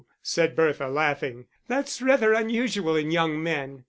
said Bertha, laughing. "That's rather unusual in young men."